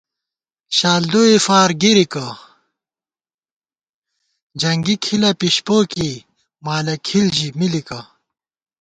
شالدوئے فارگِرِکہ جنگی کھِلہ پِشپو کېئی مالہ کھِل ژِی مِلِکہ